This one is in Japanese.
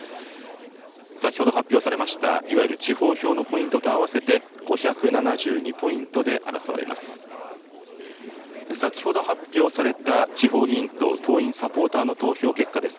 先ほど発表されました、いわゆる地方票のポイントと合わせて５７２ポイントで争われます。